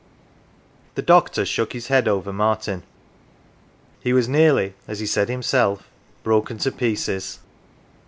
85 NANCY The doctor shook his head over Martin : he was nearly, as he said himself, "broken to pieces."